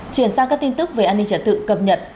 chuyển sang các tin tức về an ninh trật tự cập nhật